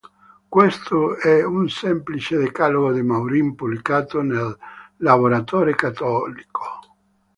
Questo è un semplice decalogo di Maurin pubblicato nel "lavoratore cattolico"